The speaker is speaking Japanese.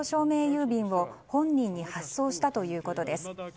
郵便を本人に発送したということです。